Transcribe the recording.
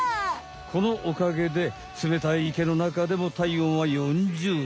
このおかげでつめたいいけのなかでもたいおんは４０ど。